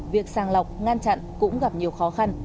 việc sàng lọc ngăn chặn cũng gặp nhiều khó khăn